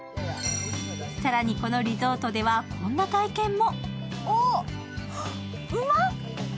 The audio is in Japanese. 更に、このリゾートではこんな体験も。